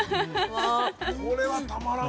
◆これはたまらん。